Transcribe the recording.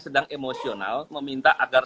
sedang emosional meminta agar